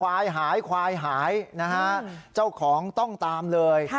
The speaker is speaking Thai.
ควายหายควายหายนะฮะเจ้าของต้องตามเลย